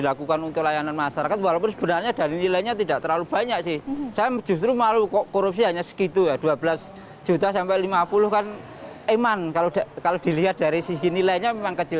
saling kunci dan kemudian berakhir dibuih